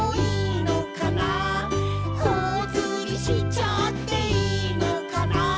「ほおずりしちゃっていいのかな」